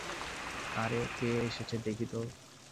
আরে, কে এসেছে দেখি তো!